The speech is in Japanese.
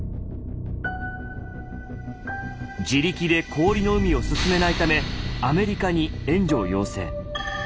自力で氷の海を進めないためアメリカに援助を要請。